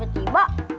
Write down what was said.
permen karet kempel tuh